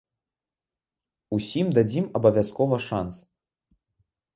Усім дадзім абавязкова шанс.